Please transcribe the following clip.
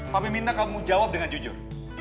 kami minta kamu jawab dengan jujur